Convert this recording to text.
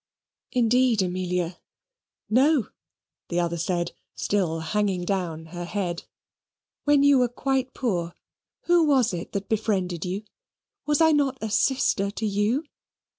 "Indeed, Amelia, no," the other said, still hanging down her head. "When you were quite poor, who was it that befriended you? Was I not a sister to you?